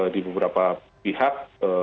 di beberapa pihak